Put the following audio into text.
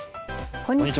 こんにちは。